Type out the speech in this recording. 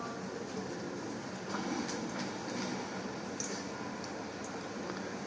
kemudian tersangka keluar lagi membeli koper yang ada di depan sebagai barang bukti